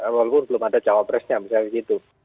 walaupun belum ada capresnya misalnya gitu